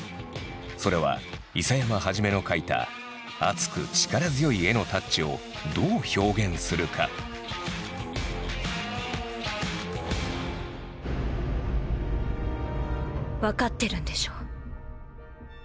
それは諫山創の描いた熱く力強い絵のタッチをどう表現するか。分かってるんでしょ？